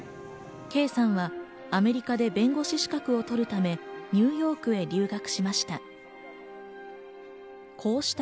圭さんはアメリカで弁護士資格を取るためニューヨークへ留学しました。